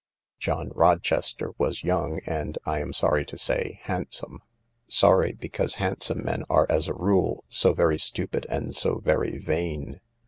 John Rochester was young and, I am sorry to say, hand some. Sorry, because handsome men are, as a rule, so very stupid and so very vain.